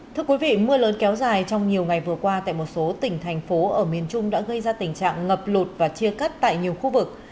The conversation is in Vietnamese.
thưa quý vị mưa lớn kéo dài trong nhiều ngày vừa qua tại một số tỉnh thành phố ở miền trung đã gây ra tình trạng ngập lụt và chia cắt tại nhiều khu vực